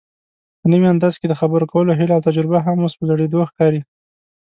په نوي انداز کې دخبرو کولو هيله اوتجربه هم اوس په زړېدو ښکاري